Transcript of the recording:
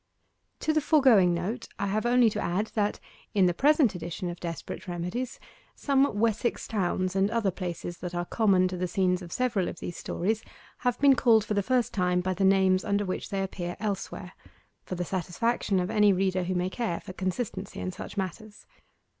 To the foregoing note I have only to add that, in the present edition of 'Desperate Remedies,' some Wessex towns and other places that are common to the scenes of several of these stories have been called for the first time by the names under which they appear elsewhere, for the satisfaction of any reader who may care for consistency in such matters.